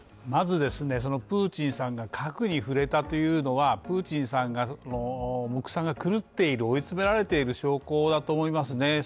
まずプーチンさんが核に触れたというのは、プーチンさんの目算が狂っている、追い詰められている証拠だと思います。